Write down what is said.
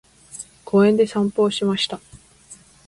公園で散歩をしました。